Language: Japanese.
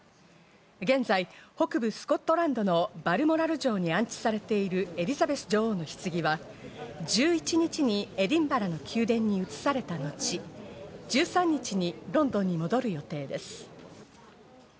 現在、北部・スコットランドのバルモラル城に安置されているエリザベス女王のひつぎは１１日にエディンバラの宮殿に移されたのち、１３日にロンドンに戻る予定です。